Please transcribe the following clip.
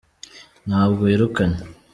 Ntabwo yirukanywe